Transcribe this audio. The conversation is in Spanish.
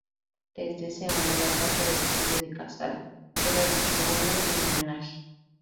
Desde ese año la plaza del Conde de Casal lleva dicho nombre en homenaje.